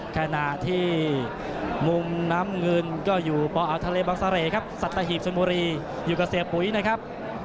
ขณะที่มุมน้ำเงินก็อยู่ปอาวทะเลบังเสร่ครับสัตหีบชนบุรีอยู่กับเสียปุ๋ยนะครับ